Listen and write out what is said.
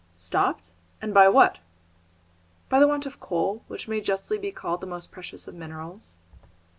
"Stopped! And by what?" "By the want of coal, which may justly be called the most precious of minerals."